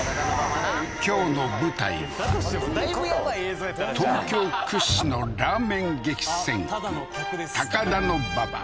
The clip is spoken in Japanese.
今日の舞台は東京屈指のラーメン激戦区高田馬場